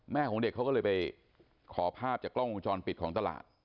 ของเด็กเขาก็เลยไปขอภาพจากกล้องวงจรปิดของตลาด